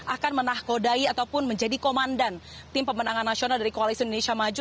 akan menakodai ataupun menjadi komandan tim pemenangan nasional dari koalisi indonesia maju